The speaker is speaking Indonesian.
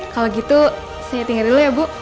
kalau gitu saya pinggir dulu ya bu